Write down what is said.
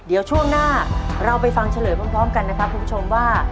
เดี๋ยวช่วงหน้าเราไปฟังเฉลยพร้อมกันนะครับคุณผู้ชมว่า